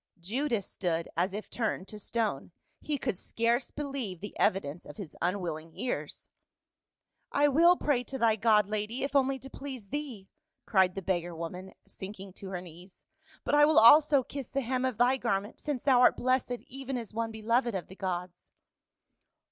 Judas stood as if turned to stone. He could scarce believe the evidence of his unwilling ears. " I will pray to thy god, lady, if only to please thee,"cried the beggar woman, sinking to her knees ; "but I will also kiss the hem of thy garment, since thou art blessed even as one beloved of the gods."